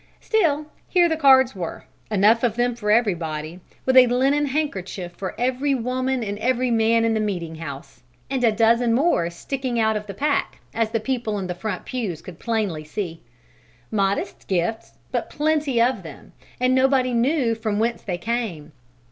Still, here the cards were, enough of them for everybody, with a linen handkerchief for every woman and every man in the meeting house, and a dozen more sticking out of the pack, as the people in the front pews could plainly see. Modest gifts, but plenty of them, and nobody knew from whence they came!